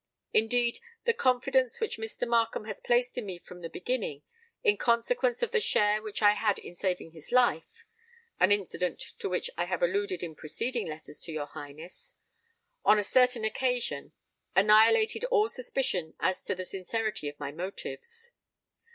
Indeed, the confidence which Mr. Markham has placed in me from the beginning, in consequence of the share which I had in saving his life (an incident to which I have alluded in preceding letters to your Highness) on a certain occasion, annihilated all suspicion as to the sincerity of my motives.